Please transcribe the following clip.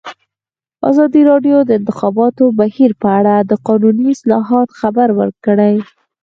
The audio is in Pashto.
ازادي راډیو د د انتخاباتو بهیر په اړه د قانوني اصلاحاتو خبر ورکړی.